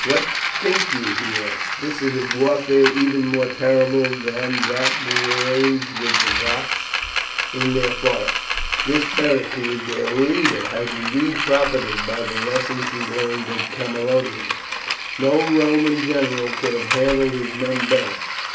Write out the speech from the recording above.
"What think you?" he asked. "This is a warfare even more terrible than that we waged with the Goths in their forests. This Beric, who is their leader, has indeed profited by the lessons he learned at Camalodunum. No Roman general could have handled his men better.